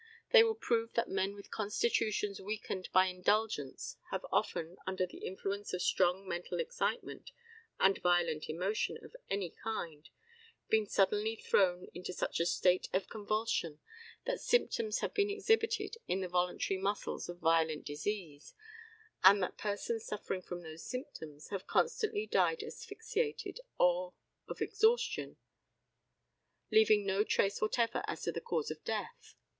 They will prove that men with constitutions weakened by indulgence have often, under the influence of strong mental excitement and violent emotion of any kind, been suddenly thrown into such a state of convulsion that symptoms have been exhibited in the voluntary muscles of violent disease, and that persons suffering from those symptoms have constantly died asphyxiated or of exhaustion, leaving no trace whatever as to the cause of death.